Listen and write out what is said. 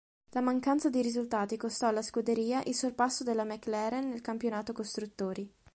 La mancanza di risultati costò alla scuderia il sorpasso della McLaren nel campionato costruttori.